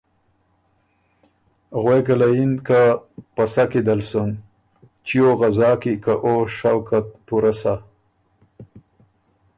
غوېکه له یِن که ”پسَۀ کی دل سُن، چیو غزا کی، که او شوق ات پُورۀ سَۀ“